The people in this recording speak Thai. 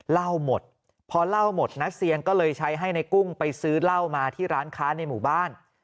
เหล้าหมดพอเล่าหมดนะเซียงก็เลยใช้ให้ในกุ้งไปซื้อเหล้ามาที่ร้านค้าในหมู่บ้าน